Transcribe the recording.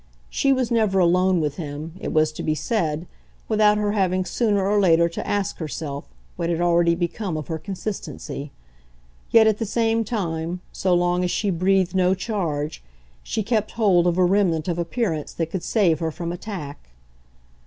She was never alone with him, it was to be said, without her having sooner or later to ask herself what had already become of her consistency; yet, at the same time, so long as she breathed no charge, she kept hold of a remnant of appearance that could save her from attack.